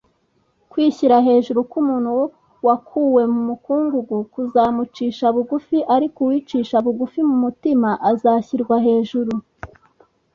Kwishyira hejuru k umuntu wakuwe mu mukungugu kuzamucisha bugu ariko uwicisha bugu mu mutima azashyirwa hejuru